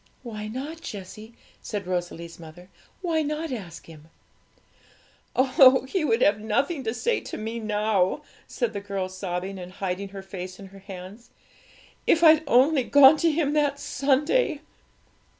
'Why not, Jessie?' said Rosalie's mother; 'why not ask Him?' 'Oh, He would have nothing to say to me now,' said the girl, sobbing, and hiding her face in her hands. 'If I'd only gone to Him that Sunday!'